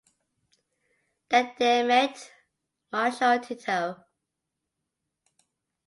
There they met Marshal Tito.